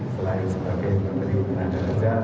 selain sebagai menteri penanakan